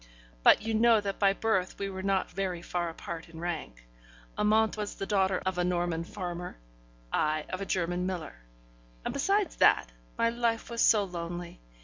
But you know that by birth we were not very far apart in rank: Amante was the daughter of a Norman farmer, I of a German miller; and besides that, my life was so lonely!